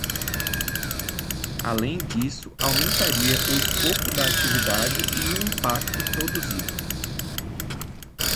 Além disso, aumentaria o escopo da atividade e o impacto produzido.